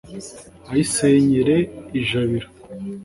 ayisenyere ijabiro,